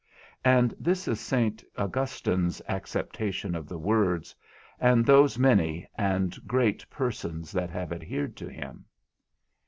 And this is Saint Augustine's acceptation of the words, and those many and great persons that have adhered to him.